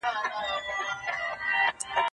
زه کولای سم کتابتون ته راشم!؟